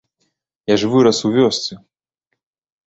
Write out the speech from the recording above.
Я ж вырас у вёсцы.